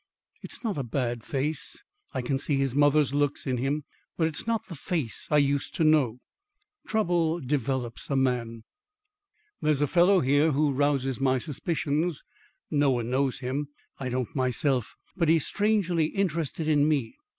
It's not a bad face; I can see his mother's looks in him. But it is not the face I used to know. Trouble develops a man. There's a fellow here who rouses my suspicions. No one knows him; I don't myself. But he's strangely interested in me.